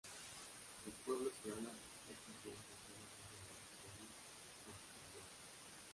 Los pueblos que hablan estas lenguas suelen ser llamados pueblos austronesios.